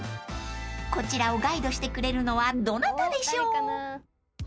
［こちらをガイドしてくれるのはどなたでしょう］